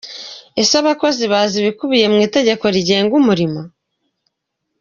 Ese abakozi bazi ibikubiye mu itegeko rigenga umurimo?